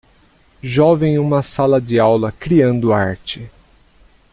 Jovem em uma sala de aula, criando arte.